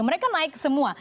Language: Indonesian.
mereka naik semua